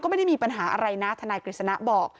ไม่ได้มีปัญหาอะไรนะทนายกฤษณะบอก